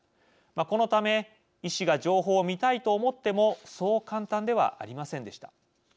このため医師が情報を見たいと思ってもそう簡単ではありませんでした。